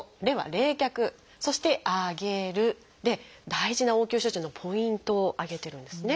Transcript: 大事な応急処置のポイントを挙げてるんですね。